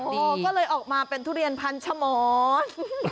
ก็เลยออกมาเป็นทุเรียนพันธุ์ชะมอน